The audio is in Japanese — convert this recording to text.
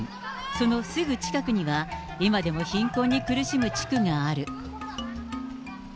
そのすぐ近くには、今でも貧困に苦しむ地区がある。